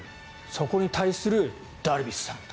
そこに対するダルビッシュさん。